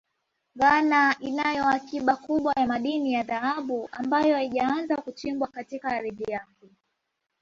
Ghana inayo akiba kubwa ya madini ya dhahabu ambayo haijaanza kuchimbwa katika ardhi yake